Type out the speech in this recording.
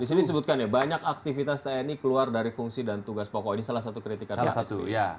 disini disebutkan ya banyak aktivitas tni keluar dari fungsi dan tugas pokok ini salah satu kritikannya